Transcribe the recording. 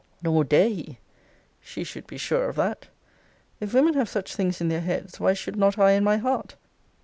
'Nor dare he!' She should be sure of that. If women have such things in their heads, why should not I in my heart?